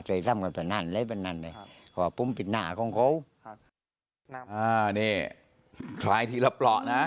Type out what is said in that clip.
อ้าวนี่ไงไหมไงใครที่หลับเหลาะนะ